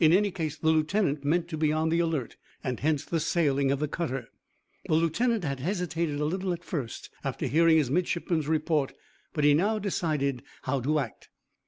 In any case the lieutenant meant to be on the alert, and hence the sailing of the cutter. The lieutenant had hesitated a little at first after hearing his midshipman's report, but he now decided how to act.